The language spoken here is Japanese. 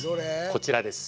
こちらです